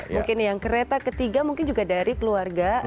mungkin yang kereta ketiga mungkin juga dari keluarga